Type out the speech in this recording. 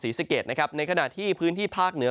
สะเกดนะครับในขณะที่พื้นที่ภาคเหนือ